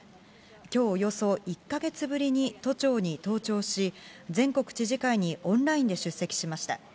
今日およそ１か月ぶりに都庁に登庁し全国知事会にオンラインで出席しました。